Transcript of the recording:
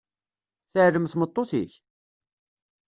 Teɛlem tmeṭṭut-ik?